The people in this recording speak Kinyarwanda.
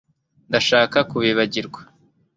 Ndashaka kubibagirwa